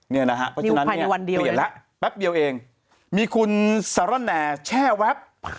เพราะฉะนั้นเนี่ยเปลี่ยนแล้วแป๊บเดียวเองมีคุณสารแน่แวบ